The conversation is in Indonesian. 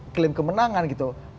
klaim kemenangan gitu